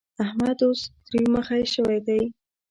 احمد اوس تريو مخی شوی دی.